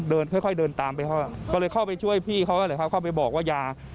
ค่อยเดินตามไปเขาก็เลยเข้าไปช่วยพี่เขาเลยครับเข้าไปบอกว่ายา